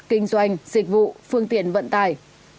kinh doanh dịch vụ phương tiện vận tài